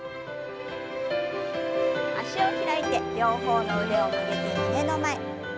脚を開いて両方の腕を曲げて胸の前。